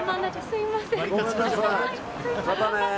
すみません。